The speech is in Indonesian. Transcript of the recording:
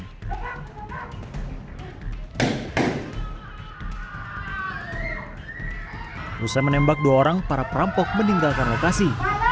setelah menembak dua orang para perampok meninggalkan lokasi